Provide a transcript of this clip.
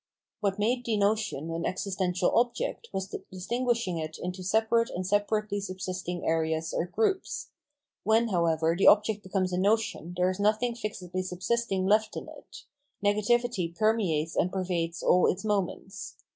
What made the notion an existential object was the distinguishing it into separate and separately subsist ing areas or groups ; when, however, the object becomes a notion there is nothing fixedly subsisting left in it ; negativity permeates and pervades all its moments.